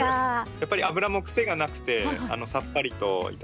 やっぱり脂もクセがなくてさっぱりと頂ける。